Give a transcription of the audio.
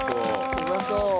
うまそう。